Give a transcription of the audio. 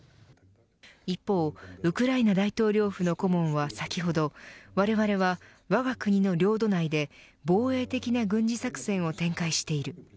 一方、ウクライナ大統領府の顧問は先ほどわれわれは、わが国の領土内で防衛的な軍事作戦を展開している。